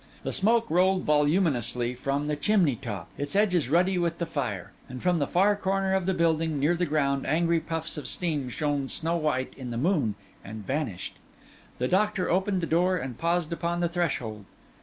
The smoke rolled voluminously from the chimney top, its edges ruddy with the fire; and from the far corner of the building, near the ground, angry puffs of steam shone snow white in the moon and vanished. The doctor opened the door and paused upon the threshold.